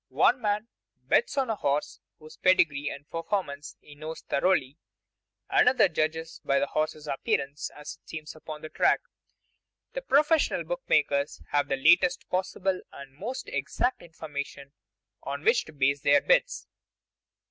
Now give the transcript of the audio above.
One man bets on a horse whose pedigree and performances he knows thoroughly; another judges by the horse's appearance as it comes upon the track. The professional book makers have the latest possible and most exact information on which to base their bids.